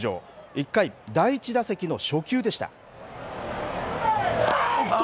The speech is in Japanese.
１回、第１打席の初球でした。